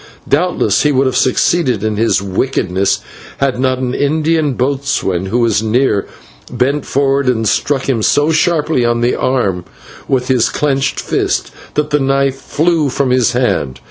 Doubtless he would have succeeded in his wickedness had not an Indian boatswain, who was near, bent forward and struck him so sharply on the arm with his clenched fist that the knife flew from his hand.